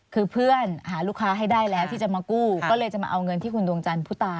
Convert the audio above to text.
คือเพื่อนหาลูกค้าให้ได้แล้วที่จะมากู้ก็เลยจะมาเอาเงินที่คุณดวงจันทร์ผู้ตาย